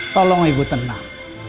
tolong ibu tenang